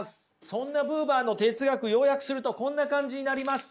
そんなブーバーの哲学要約するとこんな感じになります。